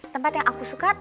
tempat yang aku suka